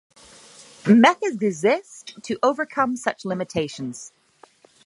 Methods exist to overcome such limitations.